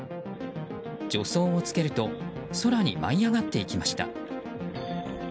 助走をつけると空に舞い上がっていきました。